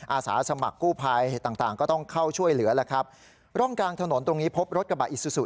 อาสาสมัครกู้ภัยต่างต่างก็ต้องเข้าช่วยเหลือแล้วครับร่องกลางถนนตรงนี้พบรถกระบะอิซูซู